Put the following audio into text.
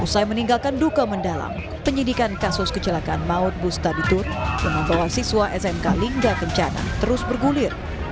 usai meninggalkan duka mendalam penyidikan kasus kecelakaan maut busta di tur yang membawa siswa smk lingga kencana terus bergulir